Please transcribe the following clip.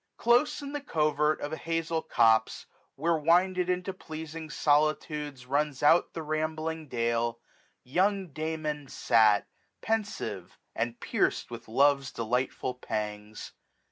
Close in the covert of an hazel copse. Where winded into pleasing solitudes Runs out the rambling dale, young Damon fat, 1270 Penfive, and piercM with love's delightful pangs.